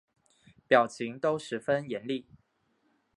表情都十分严厉